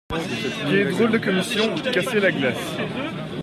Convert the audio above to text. Qué drôle de commission ! casser la glace !